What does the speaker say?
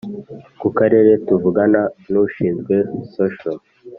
Ku Karere Tuvugana N Ushinzwe Social